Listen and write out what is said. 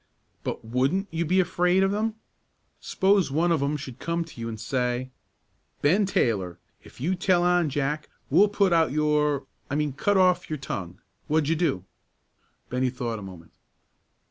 "But wouldn't you be afraid of 'em? s'pose one of 'em should come to you an' say, 'Ben Taylor, if you tell on Jack, we'll put out your' I mean 'cut off your tongue.' What'd you do?" Bennie thought a moment.